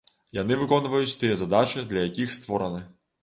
Яны выконваюць тыя задачы, для якіх створаны.